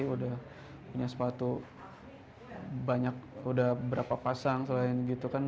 udah punya sepatu banyak udah berapa pasang selain gitu kan